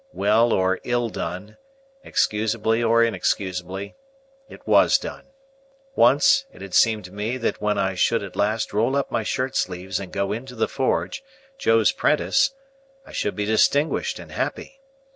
Well or ill done, excusably or inexcusably, it was done. Once, it had seemed to me that when I should at last roll up my shirt sleeves and go into the forge, Joe's 'prentice, I should be distinguished and happy.